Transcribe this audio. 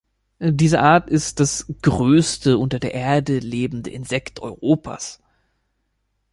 Diese Art ist das „größte unter der Erde lebende Insekt Europas“.